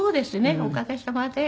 おかげさまで。